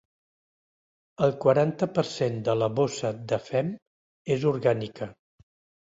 El quaranta per cent de la bossa de fem és orgànica.